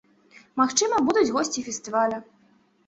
Магчыма, будуць госці фестываля.